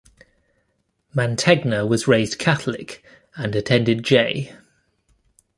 Mantegna was raised Catholic and attended J.